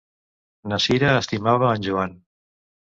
Na Sira estimava a en Joan.